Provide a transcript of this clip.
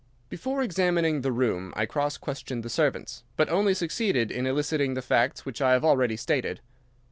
"Before examining the room I cross questioned the servants, but only succeeded in eliciting the facts which I have already stated.